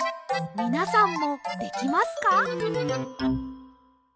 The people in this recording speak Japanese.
みなさんもできますか？